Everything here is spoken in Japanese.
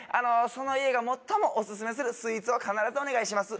その家が最もオススメするスイーツを必ずお願いします